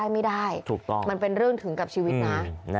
มันเป็นเรื่องถึงกับชีวิตนะ